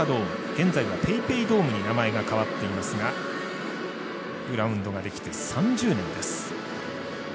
現在はＰａｙＰａｙドームに名前が変わっていますがグラウンドができて３０年です。